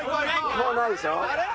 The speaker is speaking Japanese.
もうないでしょ？